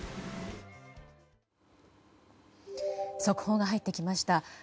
速報が入ってきました。